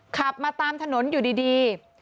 ขับมาตามถนนอยู่ดี